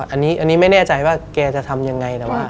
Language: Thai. อันนี้ไม่แน่ใจว่าแกจะทำยังไง